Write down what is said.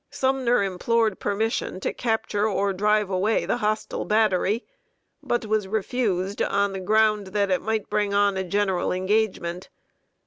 Sumner implored permission to capture or drive away the hostile battery, but was refused, on the ground that it might bring on a general engagement.